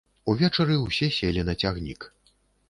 Увечары ўсе селі на цягнік.